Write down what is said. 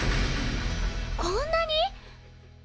こんなに！？